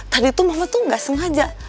tadi tuh mama tuh nggak sengaja